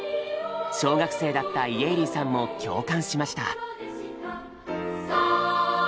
小学生だった家入さんも共感しました。